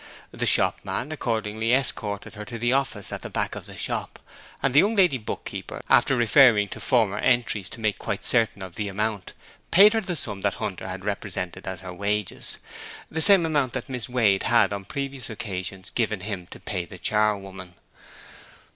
The shopman accordingly escorted her to the office at the back of the shop, and the young lady book keeper after referring to former entries to make quite certain of the amount, paid her the sum that Hunter had represented as her wages, the same amount that Miss Wade had on the previous occasions given him to pay the charwoman.